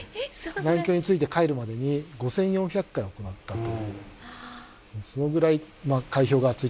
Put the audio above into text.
南極に着いて帰るまでに５，４００回行ったという。